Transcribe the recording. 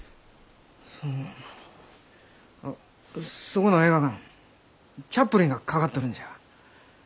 そのそこの映画館チャップリンがかかっとるんじゃ。